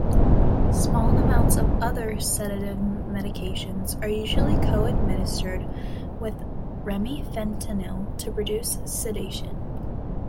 Small amounts of other sedative medications are usually co-administered with remifentanil to produce sedation.